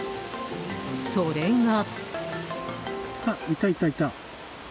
それが。